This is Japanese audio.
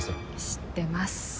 知ってます